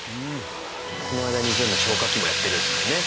その間に全部消火器もやってるんですもんねチェック。